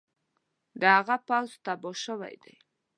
د هغه پوځ تباه شوی دی.